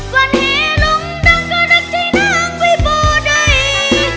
ผ่านแหลงดังก็นักที่น้างไวบอได้